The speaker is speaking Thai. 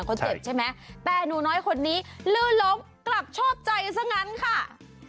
เขาเจ็บใช่ไหมแต่หนูน้อยคนนี้ลื่นล้มกลับชอบใจซะงั้นค่ะ